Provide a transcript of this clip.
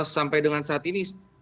sampai dengan saat ini